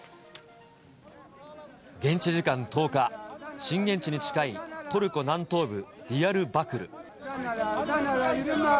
現地時間１０日、震源地に近いトルコ南東部、ディヤルバクル。